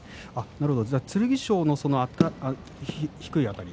剣翔の低いあたり。